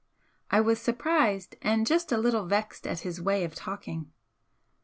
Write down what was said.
I was surprised and just a little vexed at his way of talking.